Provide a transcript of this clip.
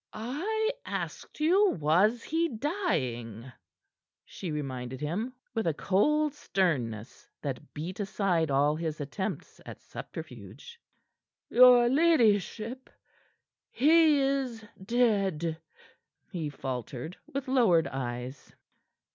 "I asked you was he dying," she reminded him, with a cold sternness that beat aside all his attempts at subterfuge. "Your ladyship he is dead," he faltered, with lowered eyes.